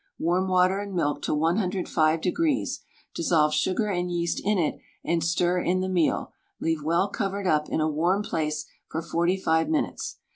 Warm water and milk to 105 degrees, dissolve sugar and yeast in it and stir in the meal, leave well covered up in a warm place for 45 minutes.